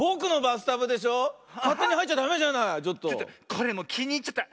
これもうきにいっちゃった。